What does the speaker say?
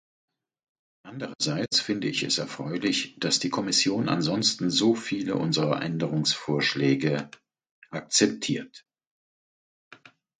Andererseits finde ich es erfreulich, dass die Kommission ansonsten so viele unserer Änderungsvorschläge akzeptiert.